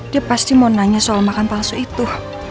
dia pasti mau nanya soal makan palsu itu